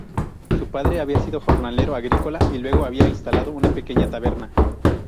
Su padre había sido jornalero agrícola y luego había instalado una pequeña taberna.